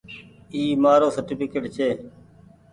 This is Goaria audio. اي مآرو سرٽيڦڪيٽ ڇي۔